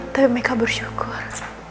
tapi mereka bersyukur